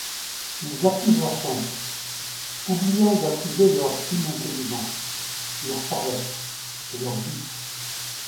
Ils accusent la chance, oubliant d’accuser leur inintelligence, leur paresse et leurs vices.